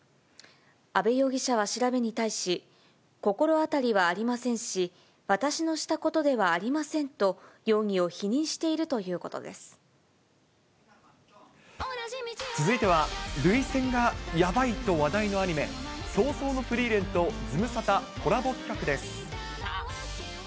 阿部容疑者は調べに対し、心当たりはありませんし、私のしたことではありませんと、容疑を否認しているということで続いては、涙腺がやばいと話題のアニメ、葬送のフリーレンとズムサタコラボ企画です。